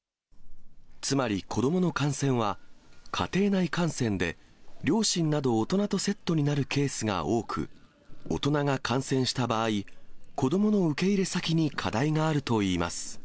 つまり子どもの感染は家庭内感染で、両親など大人とセットになるケースが多く、大人が感染した場合、子どもの受け入れ先に課題があるといいます。